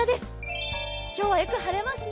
今日はよく晴れますね。